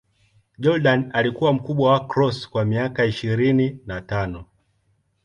Jordan alikuwa mkubwa wa Cross kwa miaka ishirini na tano.